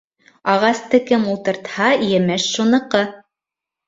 Ағасты кем ултыртһа емеш шуныҡы.